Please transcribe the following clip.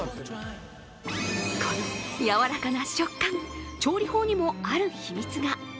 この、やわらかな食感、調理法にもある秘密が。